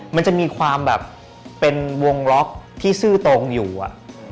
มันจะมีความแบบเป็นวงล็อกที่ซื่อตรงอยู่อะ